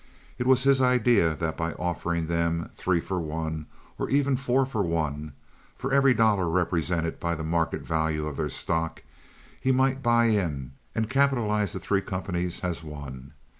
It was his idea that by offering them three for one, or even four for one, for every dollar represented by the market value of their stock he might buy in and capitalize the three companies as one.